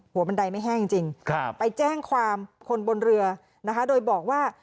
บันไดไม่แห้งจริงไปแจ้งความคนบนเรือนะคะโดยบอกว่า